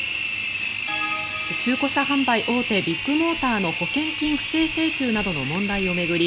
中古車販売大手ビッグモーターの保険金不正請求などの問題を巡り